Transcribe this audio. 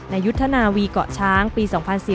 ยุทธนาวีเกาะช้างปี๒๔๔